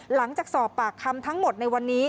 หลังจากสอบปากคำทั้งหมดในวันนี้